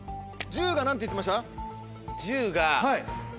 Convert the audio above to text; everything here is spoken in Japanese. １０が何て言ってました？